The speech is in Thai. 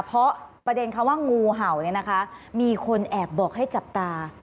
เพราะประเด็นคำว่างูเห่าเนี่ยนะคะมีคนแอบบอกให้จับตา